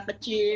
nggak ada yang